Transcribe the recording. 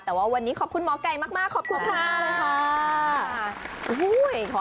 แต่ว่าวันนี้ขอบคุณหมอไก่มากขอบคุณค่ะ